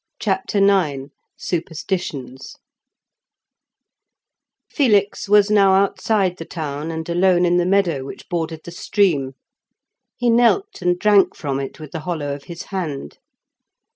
CHAPTER IX SUPERSTITIONS Felix was now outside the town and alone in the meadow which bordered the stream; he knelt, and drank from it with the hollow of his hand.